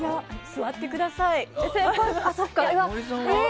座ってください。